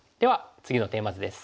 次のテーマ図です。